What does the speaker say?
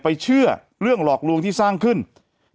แต่หนูจะเอากับน้องเขามาแต่ว่า